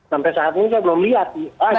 sampai saat ini saya belum lihat